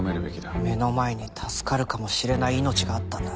目の前に助かるかもしれない命があったんだ。